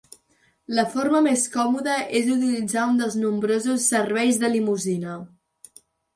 La forma més còmoda és utilitzar un dels nombrosos "serveis de limusina".